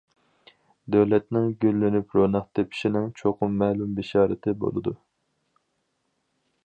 دۆلەتنىڭ گۈللىنىپ روناق تېپىشىنىڭ چوقۇم مەلۇم بېشارىتى بولىدۇ.